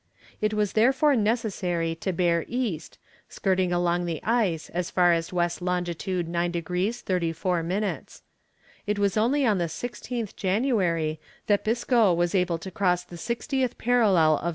It was therefore necessary to bear east, skirting along the ice as far as W. long. 9 degrees 34 minutes. It was only on the 16th January that Biscoe was able to cross the 60th parallel of S.